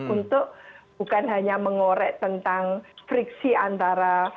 untuk bukan hanya mengorek tentang friksi antara